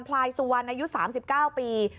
พลายสุวรรณอายุ๓๙ปี